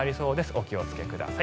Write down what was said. お気をつけください。